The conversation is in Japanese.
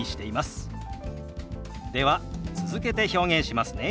では続けて表現しますね。